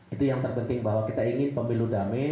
itu yang terpenting bahwa kita ingin pemilu damai